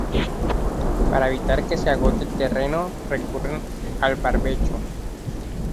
Para evitar que se agote el terreno recurren al barbecho.